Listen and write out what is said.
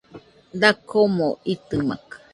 Dakomo itɨmakɨ